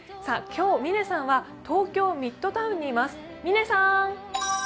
今日、嶺さんは東京ミッドタウンにいます。